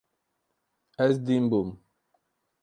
Ez dîn bûm.